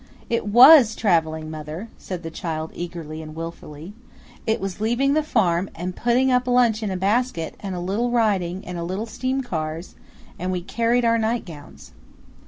"It WAS TRAVELING, mother," said the child eagerly and willfully. "It was leaving the farm, and putting up lunch in a basket, and a little riding and a little steam cars, and we carried our nightgowns."